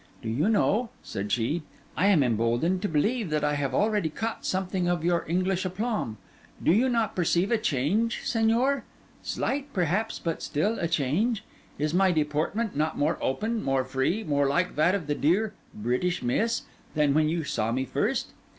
'Do you know,' said she, 'I am emboldened to believe that I have already caught something of your English aplomb? Do you not perceive a change, Señor? Slight, perhaps, but still a change? Is my deportment not more open, more free, more like that of the dear "British Miss" than when you saw me first?